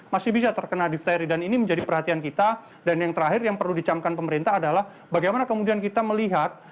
masih bisa terkena difteri dan ini menjadi perhatian kita dan yang terakhir yang perlu dicamkan pemerintah adalah bagaimana kemudian kita melihat